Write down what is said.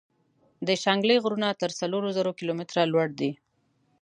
د شانګلې غرونه تر څلور زرو کلو ميتره لوړ دي ـ